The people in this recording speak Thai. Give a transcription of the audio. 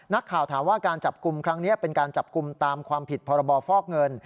นักข่าวถามว่าการจับกลุ่มครั้งนี้เป็นการจับกลุ่มตามความผิดพรบฟอกเงิน